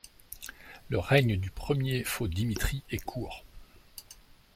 Le règne du premier faux Dimitri est court.